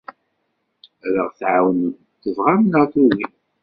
Ad aɣ-tɛawnem, tebɣam neɣ tugim.